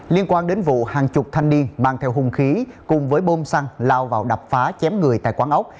liên quan đến vụ hàng chục thanh niên mang theo hung khí cùng với bơm xăng lao vào đập phá chém người tại quán ốc